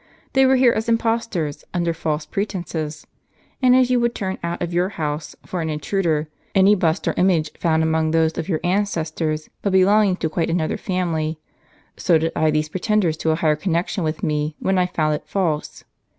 They were here as impostors, under false pretences; and as you would turn out of your house, for an intruder, any bust or image found among those of your ances tors, but belonging to quite another family, so did I these pretenders to a higher connection with me, when I found it false.